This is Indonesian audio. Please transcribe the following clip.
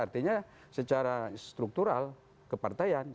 artinya secara struktural ke partai